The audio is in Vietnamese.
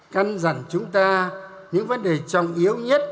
căn dặn chúng ta những vấn đề trọng yếu nhất